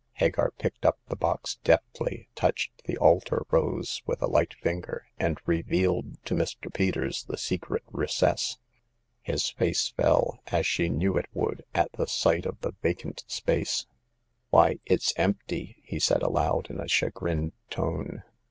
" Hagar picked up the box deftly, touched the altar rose with a light finger, and revealed to Mr. Peters the secret recess. His face fell, as she knew it would, at the sight of the vacant space. Why, it's empty ! he said aloud in a cha grined tone.